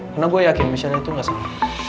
karena gue yakin mission itu gak sama